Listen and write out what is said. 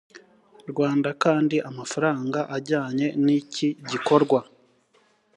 rwanda kandi amafaranga ajyanye n iki gikorwa